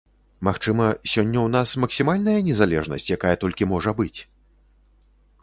Магчыма, сёння ў нас максімальная незалежнасць, якая толькі можа быць?